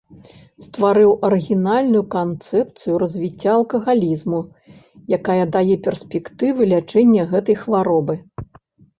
Стварыў арыгінальную канцэпцыю развіцця алкагалізму, якая дае перспектывы лячэння гэтай хваробы.